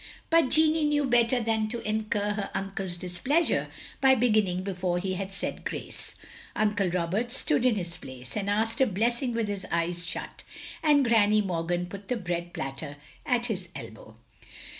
But Jeanne knew better than to incur her uncle's displeasure by beginning before he had said grace. Uncle Roberts stood in his place, and asked a blessing with his eyes shut, and Granny Morgan put the bread platter at his elbow.